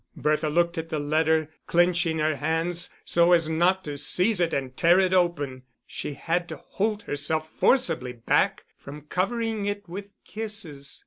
Bertha looked at the letter, clenching her hands so as not to seize it and tear it open; she had to hold herself forcibly back from covering it with kisses.